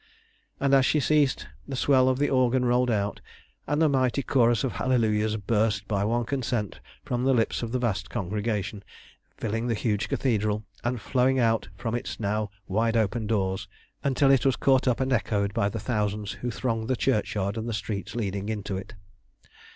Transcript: And as she ceased the swell of the organ rolled out, and a mighty chorus of hallelujahs burst by one consent from the lips of the vast congregation, filling the huge Cathedral, and flowing out from its now wide open doors until it was caught up and echoed by the thousands who thronged the churchyard and the streets leading into it.